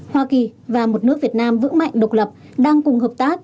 hoa kỳ và một nước việt nam vững mạnh độc lập đang cùng hợp tác